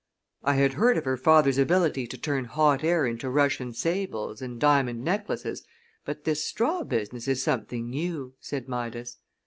"I had heard of her father's ability to turn hot air into Russian sables and diamond necklaces, but this straw business is something new," said Midas.